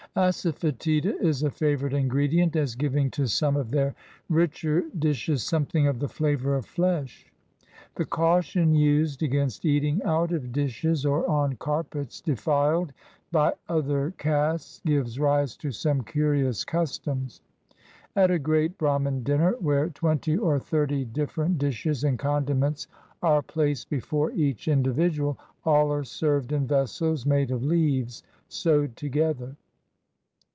Assafcetida is a favorite ingredient, as giving to some of their richer dishes something of the flavor of flesh. The caution used against eating out of dishes or on carpets defiled by other castes gives rise to some curious customs. At a great Bramin dinner, where twenty or 169 INDIA thirty different dishes and condiments are placed before each individual, all are served in vessels made of leaves sewed together.